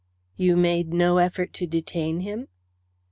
"You made no effort to detain him?"